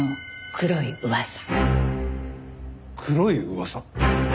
黒い噂？